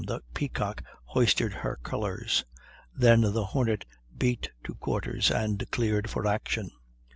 the Peacock hoisted her colors; then the Hornet beat to quarters and cleared for action.